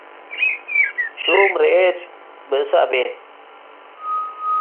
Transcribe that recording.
ሹም ርኤት ብእሰ አቤት።